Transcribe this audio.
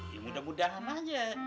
ya mudah mudahan aja